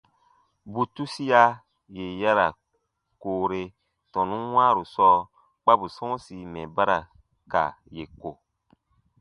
Bù tusia yè ya ra koore tɔnun wãaru sɔɔ kpa bù sɔ̃ɔsi mɛ̀ ba ra ka yè ko.